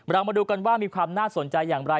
เรามาดูกันว่ามีความน่าสนใจอย่างไร